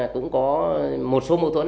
cũng có một số mâu thuẫn